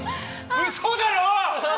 うそだろ！